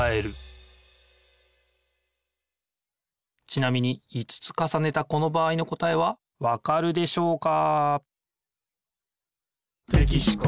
ちなみに５つかさねたこの場合の答えはわかるでしょうか？